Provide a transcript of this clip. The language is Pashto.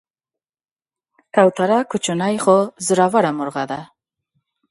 کوتره کوچنۍ خو زړوره مرغه ده.